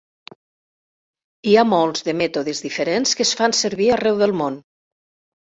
Hi ha molts de mètodes diferents que es fan servir arreu del món.